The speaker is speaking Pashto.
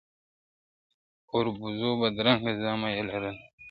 پنډ اوربوز بدرنګه زامه یې لرله ..